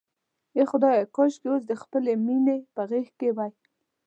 آه خدایه، کاشکې اوس د خپلې مینې په غېږ کې وای.